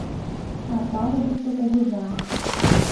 А палубышто кугыжа